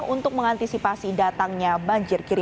untuk mengantisipasi datangnya